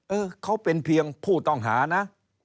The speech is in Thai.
เออเขาเป็นเพียงผู้ต้องหานะ